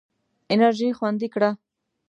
انرژي خوندي کړه.